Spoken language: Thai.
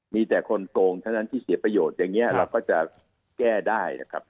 มีแต่คนโกงเท่านั้นที่เสียประโยชน์อย่างนี้เราก็จะแก้ได้นะครับ